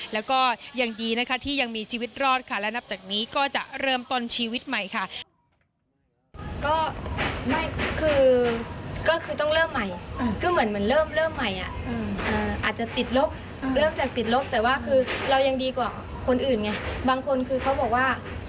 แล้วก็ยังดีนะคะที่ยังมีชีวิตรอดค่ะและนับจากนี้ก็จะเริ่มต้นชีวิตใหม่ค่ะ